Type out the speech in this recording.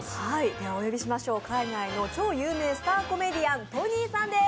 ではお呼びしましょう、海外の超有名なスターコメディアン・トニーさんです。